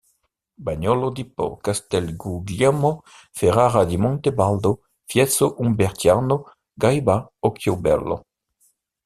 Bagnolo di Po, Castelguglielmo, Ferrara di Monte Baldo, Fiesso Umbertiano, Gaiba, Occhiobello.